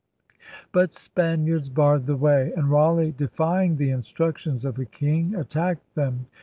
But Spaniards barred the way; and Raleigh, defying the instructions of the King, attacked them.